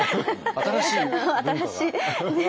新しいねえ。